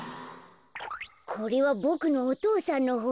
これはボクのお父さんのほんです。